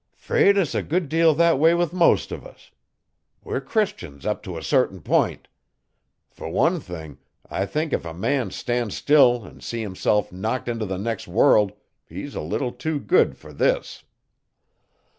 ''Fraid 's a good deal thet way with most uv us. We're Christians up to a cert'in p'int. Fer one thing, I think if a man'll stan' still an' see himself knocked into the nex' world he's a leetle tew good fer this.'